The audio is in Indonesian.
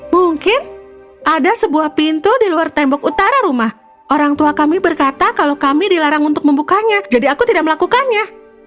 mungkin ada sebuah pintu di luar tembok utara rumah orang tua kami berkata kalau kami dilarang untuk membukanya jadi aku tidak melakukannya